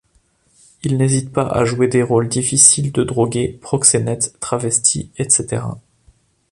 Il n'hésite pas à jouer des rôles difficiles de drogués, proxénètes, travestis, etc.